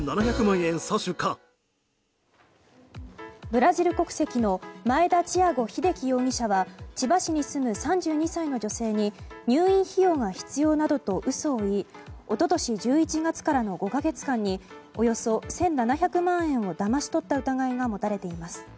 ブラジル国籍のマエダ・チアゴ・ヒデキ容疑者は千葉市に住む３２歳の女性に入院費用が必要などと嘘を言い一昨年１１月からの５か月間におよそ１７００万円をだまし取った疑いが持たれています。